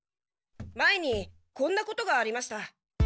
前にこんなことがありました。